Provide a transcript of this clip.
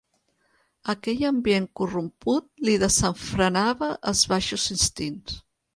Aquell ambient corromput li desenfrenava els baixos instints.